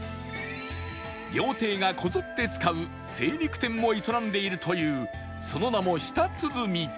料亭がこぞって使う精肉店も営んでいるというその名もシタツヅミ